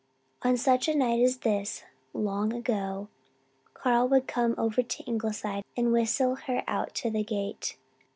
On such a night as this, long ago, Carl would come over to Ingleside and whistle her out to the gate.